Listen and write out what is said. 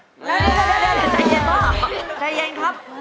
เดี๋ยวใจเย็นครับ